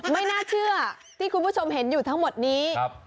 ไม่น่าเชื่อที่คุณผู้ชมเห็นอยู่ทั้งหมดนี้